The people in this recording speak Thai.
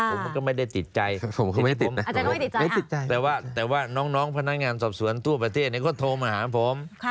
ผมก็ไม่ได้ติดใจแต่ว่าน้องพนักงานสอบสวนทั่วประเทศเนี่ยก็โทรมาหาผม